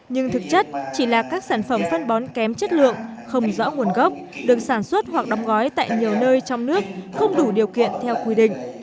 nhưng thực chất chỉ là các sản phẩm phân bón kém chất lượng không rõ nguồn gốc được sản xuất hoặc đóng gói tại nhiều nơi trong nước không đủ điều kiện theo quy định